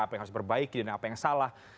apa yang harus diperbaiki dan apa yang salah